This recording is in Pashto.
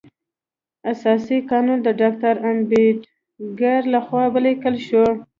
اساسي قانون د ډاکټر امبیډکر لخوا ولیکل شو.